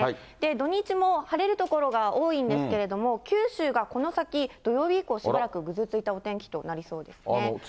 土日も晴れる所が多いんですけれども、九州がこの先、土曜日以降、しばらくぐずついたお天気となりそうですね。